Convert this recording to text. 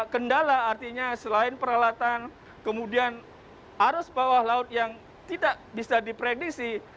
kendala artinya selain peralatan kemudian arus bawah laut yang tidak bisa diprediksi